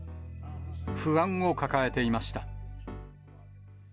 不安を抱えていました。